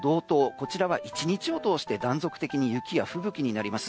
こちらは１日を通して断続的に雪や吹雪になります。